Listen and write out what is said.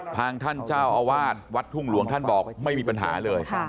ท่านเจ้าอาวาสวัดทุ่งหลวงท่านบอกไม่มีปัญหาเลย